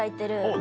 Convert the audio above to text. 何？